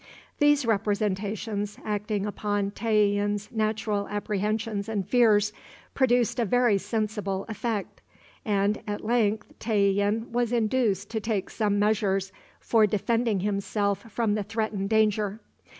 These representations, acting upon Tayian's natural apprehensions and fears, produced a very sensible effect, and at length Tayian was induced to take some measures for defending himself from the threatened danger.